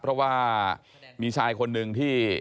เพราะว่ามีชายคนหนึ่งที่